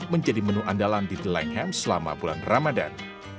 menjadi menu andalan di the limeham selama bulan ramadan